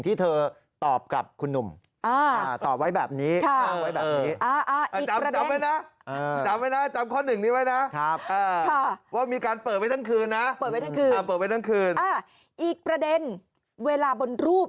ที่เธอตอบกับคุณหนุ่มตอบไว้แบบนี้อีกประเด็นเวลาบนรูป